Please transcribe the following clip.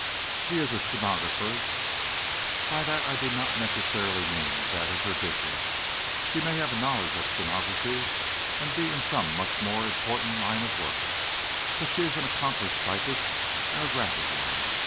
She is a stenographer, by that I do not necessarily mean that is her business, she may have a knowledge of stenography, and be in some much more important line of work. But she is an accomplished typist and a rapid one.